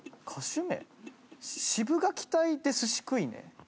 シブがき隊で『スシ食いねェ！』。